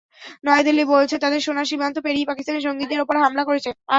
নয়াদিল্লি বলছে, তাদের সেনারা সীমান্ত পেরিয়ে পাকিস্তানের জঙ্গিদের ওপর হামলা করেছে।